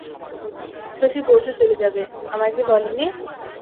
শশী পরশু চলে যাবে আমায় যে বলেনি?